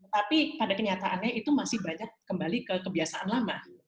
tapi pada kenyataannya itu masih banyak kembali ke kebiasaan lama